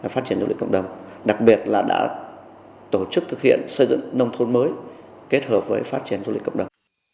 phát triển du lịch cộng đồng đặc biệt là đã tổ chức thực hiện xây dựng nông thôn mới kết hợp với phát triển du lịch cộng đồng